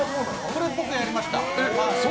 これ僕やりました。